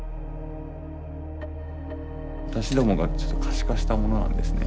私どもが可視化したものなんですね。